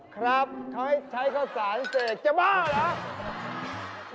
ครับใช้ข้าวสารเสร็จจะบ้าเหรอ